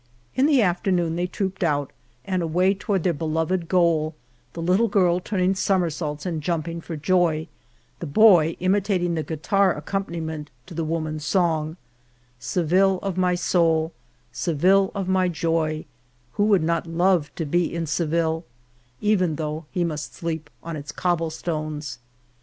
In the afternoon they trooped out and away toward their beloved goal, the little girl turning somersaults and jumping for joy, the boy imitating the guitar accompaniment to the woman's song : Se\nllle of my soul, Seville of my joy ; Who would not love to be in Seville, Even though he must sleep on its cobble stones